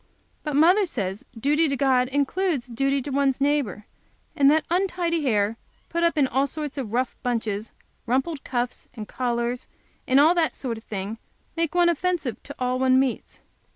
But mother says duty to God includes duty to one's neighbor, and that untidy hair, put up in all sorts of rough bunches, rumpled cuffs and collars, and all that sort of thing, make one offensive to all one meets.